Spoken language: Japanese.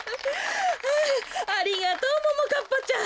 あありがとうももかっぱちゃん。